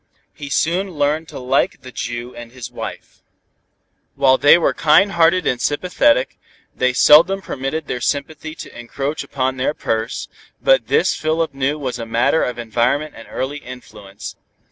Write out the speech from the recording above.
He soon learned to like the Jew and his wife. While they were kind hearted and sympathetic, they seldom permitted their sympathy to encroach upon their purse, but this Philip knew was a matter of environment and early influence.